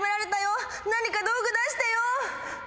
何か道具出してよ。